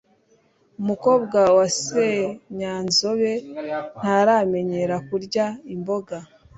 umukobwa wa senyanzobe ntaramenyera kurya imboga